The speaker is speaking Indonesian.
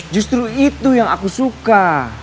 justru itu yang aku suka